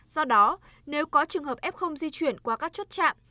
do đó nếu có trường hợp f di chuyển qua các chốt chạm